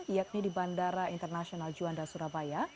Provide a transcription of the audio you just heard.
yakni di bandara internasional juanda surabaya